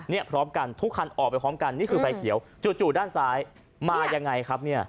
นี่พร้อมกันทุกคันออกไปพร้อมกันนี่คือไฟเขียวจู่ด้านซ้ายมายังไงครับเนี่ย